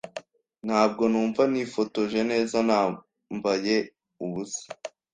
Ntabwo numva nifotoje neza nambaye ubusa.